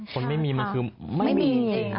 คนไม่มีมันคือไม่มี